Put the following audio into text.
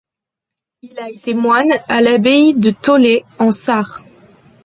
Il a été moine à l'abbaye de Tholey, en Sarre.